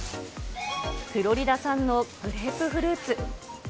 フロリダ産のグレープフルーツ。